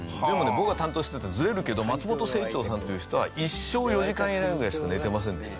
僕が担当してたずれるけど松本清張さんっていう人は一生４時間以内ぐらいしか寝てませんでした。